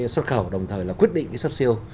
xuất khẩu đồng thời là quyết định xuất siêu